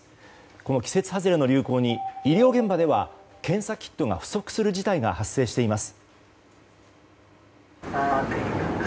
この季節外れの流行に医療現場では検査キットが不足する事態が発生しています。